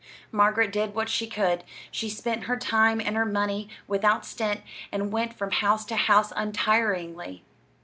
Margaret did what she could. She spent her time and her money without stint, and went from house to house untiringly.